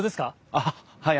ああはい。